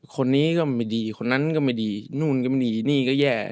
คนนี้ก็ไม่ดีคนนั้นก็ไม่ดีนู่นก็ไม่ดีนี่ก็แย่